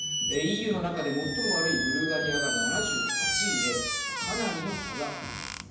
ＥＵの中で最も悪いブルガリアが７８位でかなりの差があります。